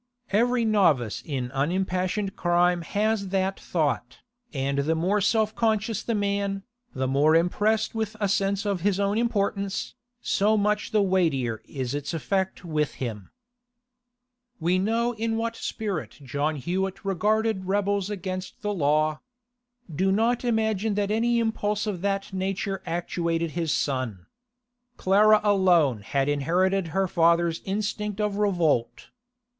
Every novice in unimpassioned crime has that thought, and the more self conscious the man, the more impressed with a sense of his own importance, so much the weightier is its effect with him. We know in what spirit John Hewett regarded rebels against the law. Do not imagine that any impulse of that nature actuated his son. Clara alone had inherited her father's instinct of revolt.